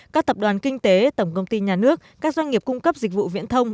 các tập đoàn kinh tế tổng công ty nhà nước các doanh nghiệp cung cấp dịch vụ viễn thông